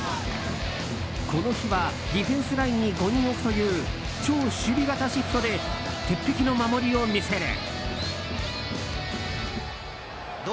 この日はディフェンスラインに５人置くという超守備型シフトで鉄壁の守りを見せる。